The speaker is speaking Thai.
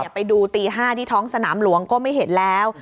ไปดูตี๕ที่ท้องสนามหลวงก็ไม่เห็นแล้ว